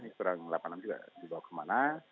kurang delapan puluh enam juga dibawa kemana